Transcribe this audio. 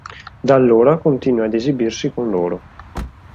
Da allora continua ad esibirsi con loro.